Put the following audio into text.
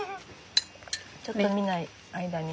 ちょっと見ない間に。